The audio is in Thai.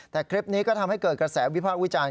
แต่คลิปนี้ก็ทำให้เกิดกระแสวิพากษ์วิจารณ